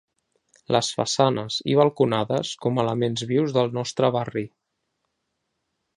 Les façanes i balconades com a elements vius del nostre barri.